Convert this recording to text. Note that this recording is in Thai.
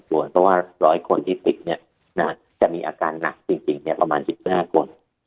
ฉวงแต่ว่าร้อยคนที่ติดเนี่ยจะมีอาการหนักจริงเนี่ยประมาณ๑๕คน